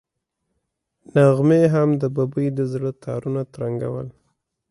نغمې هم د ببۍ د زړه تارونه ترنګول.